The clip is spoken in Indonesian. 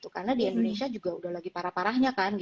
karena di indonesia juga udah lagi parah parahnya kan